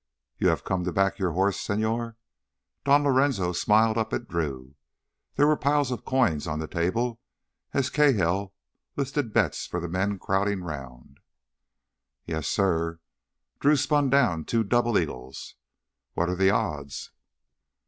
"You have come to back your horse, señor?" Don Lorenzo smiled up at Drew. There were piles of coins on the table as Cahill listed bets for the men crowding around. "Yes, suh." Drew spun down two double eagles. "What're the odds?"